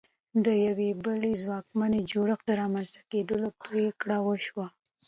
د یوه بل ځواکمن جوړښت د رامنځته کېدو پرېکړه وشوه.